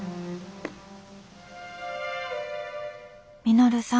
「稔さん。